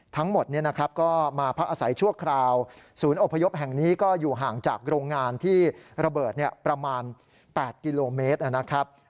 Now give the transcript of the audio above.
ทั้งหมดก็มาพักอาศัยชั่วคราวศูนย์อพยพแห่งนี้ก็อยู่ห่างจากโรงงานที่ระเบิดประมาณ๘กิโลเมตรนะครับ